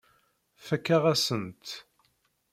Fakeɣ-asen-tt.